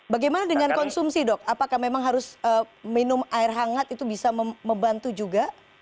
bagaimana dengan konsumsi dok apakah memang harus minum air hangat itu bisa membantu juga